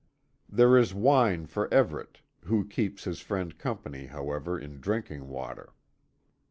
There is wine for Everet who keeps his friend company, however, in drinking water.